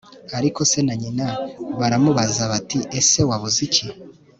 ariko se na nyina baramubaza bati “ese wabuze iki?